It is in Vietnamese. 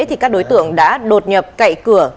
thì các đối tượng đã đột nhập cậy cửa